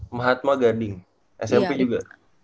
mahatma gading smp juga